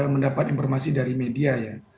mendapat informasi dari media ya